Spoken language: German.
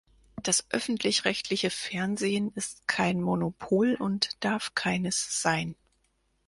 Das öffentlich-rechtliche Fernsehen ist kein Monopol und darf keines sein.